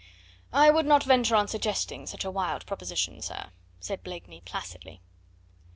"I would not venture on suggesting such a wild proposition, sir," said Blakeney placidly.